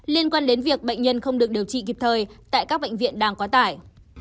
liên quan đến việc bệnh nhân không được điều trị kịp thời tại các bệnh viện đang quá tải